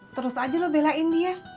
terus aja lo belain dia